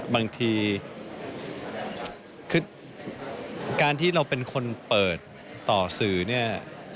บางทีคือการที่เราเป็นคนเปิดต่อสื่อเนี่ย